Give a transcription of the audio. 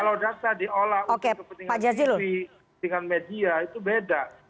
kalau data diolah untuk kepentingan tv kepentingan media itu beda